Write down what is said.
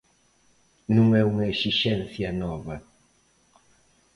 Non é unha exixencia nova.